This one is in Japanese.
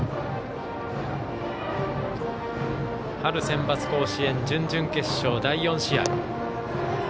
春センバツ甲子園準々決勝、第４試合。